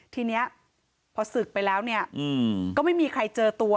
ทีนี้พอศึกไปแล้วก็ไม่มีใครเจอตัว